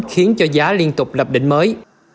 khiến cho giá liên tục lập định mới